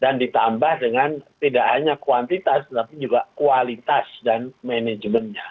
dan ditambah dengan tidak hanya kuantitas tapi juga kualitas dan manajemennya